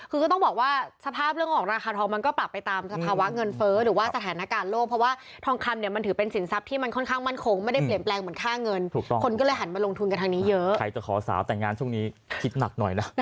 คือก็ต้องบอกว่าสภาพเรื่องของราคาทองมันก็ปรับไปตามสภาวะเงินเฟ้อหรือว่าสถานการณ์โลก